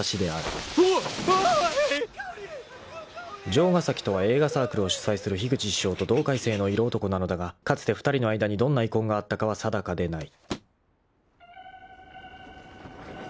［城ヶ崎とは映画サークルを主催する樋口師匠と同回生の色男なのだがかつて２人の間にどんな遺恨があったかは定かでない］